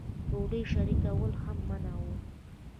ډوډۍ شریکول هم منع وو.